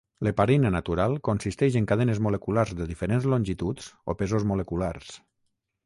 L'heparina natural consisteix en cadenes moleculars de diferents longituds o pesos moleculars.